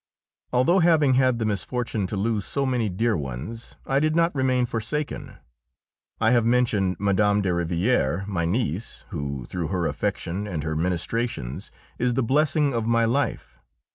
Although having had the misfortune to lose so many dear ones, I did not remain forsaken. I have mentioned Mme. de Rivière, my niece, who, through her affection and her ministrations, is the blessing of my life.